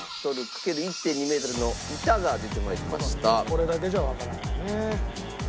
これだけじゃわからないね。